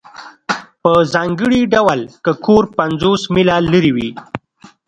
په ځانګړي ډول که کور پنځوس میله لرې وي